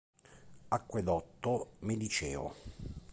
Acquedotto Mediceo